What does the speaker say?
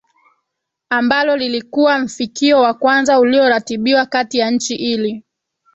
ambalo lilikuwa mfikio wa kwanza ulioratibiwa kati ya nchi ili